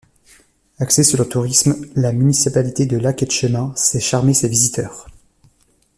Axée sur le tourisme, la municipalité de Lac-Etchemin sait charmer ses visiteurs.